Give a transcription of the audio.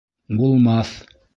— Булмаҫ!